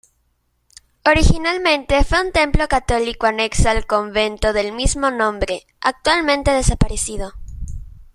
Originalmente fue un templo católico anexo al convento del mismo nombre, actualmente desaparecido.